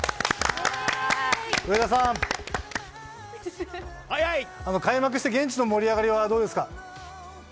上田さん、開幕して、現地の盛り上がりはどうですか？